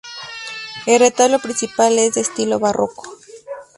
El retablo principal es de estilo barroco.